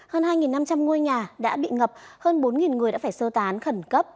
hơn hai năm trăm linh ngôi nhà đã bị ngập hơn bốn người đã phải sơ tán khẩn cấp